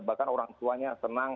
bahkan orang tuanya senang